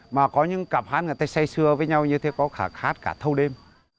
mà có những cặp hát người ta say xưa với nhau như thế có hát cả thâu đêm